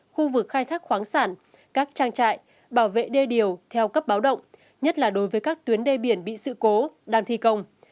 khu vực khai thác khoáng sản các trang trại bảo vệ đê điều theo cấp báo động nhất là đối với các tuyến đê biển bị sự cố đang thi công